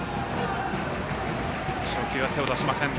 初球は手を出しません。